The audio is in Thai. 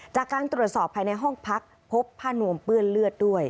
จากการตรวจสอบภายในห้องพักพบผ้านวมเปื้อนเลือดด้วย